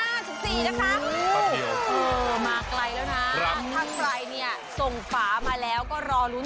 มาไกลแล้วนะถ้าใครส่งฝามาแล้วก็รอลุ้น